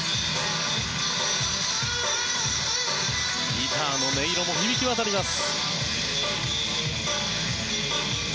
ギターの音色も響き渡ります。